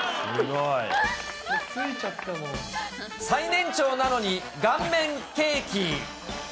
最年長なのに、顔面ケーキ。